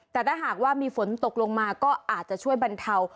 แต่ถ้าหากว่ามีฝนตกลงมาก็อาจจะช่วยบรรเทา